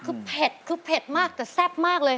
คือเผ็ดคือเผ็ดมากแต่แซ่บมากเลย